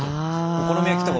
お好み焼きとか。